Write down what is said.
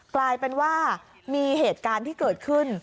กลายเป็นว่ามีเหตุการณ์ที่เกิดขึ้น